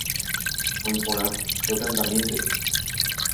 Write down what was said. Oĩporã, rotentamínte.